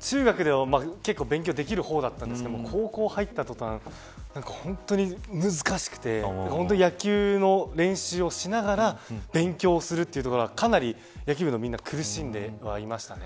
中学では結構勉強できる方だったんですけど高校入った途端本当に難しくて野球の練習をしながら勉強をするというところはかなり野球部のみんな苦しんでいましたね。